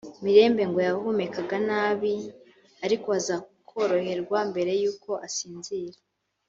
Mirembe ngo yahumekaga nabi ariko aza koroherwa mbere y’uko asinzira